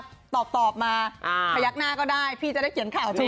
บอกว่าอ่าตอบมาพยักหน้าก็ได้พี่จะได้เขียนข่าวถูก